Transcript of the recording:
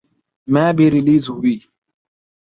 میں بھی ریلیز ہوئی